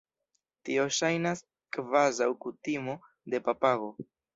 Tio ŝajnas kvazaŭ kutimo de papago.